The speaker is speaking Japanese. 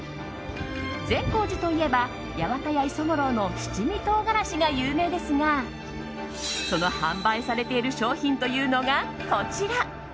善光寺といえば八幡屋磯五郎の七味唐辛子が有名ですがその販売されている商品というのが、こちら。